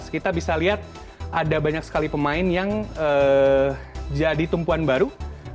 kita bisa lihat ada banyak sekali pemain yang jadi tumpuan baru